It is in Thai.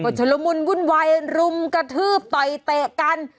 ชุดละมุนวุ่นวายรุมกระทืบต่อยเตะกัน